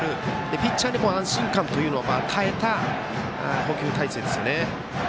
ピッチャーに安心感というのを与えた捕球体勢ですね。